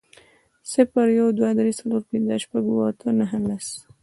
صفر، يو، دوه، درې، څلور، پنځه، شپږ، اووه، اته، نهه، لس